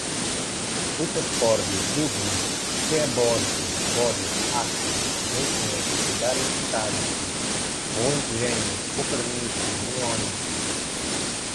rutherfórdio, dúbnio, seabórgio, bóhrio, hássio, meitnério, darmstádtio, roentgênio, copernício, nihônio